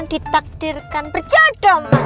tidak ditakdirkan berjodoh mas